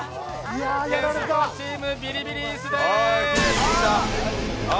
ゲストチーム、ビリビリ椅子です。